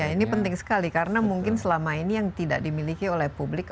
ini penting sekali karena mungkin selama ini yang tidak dimiliki oleh publik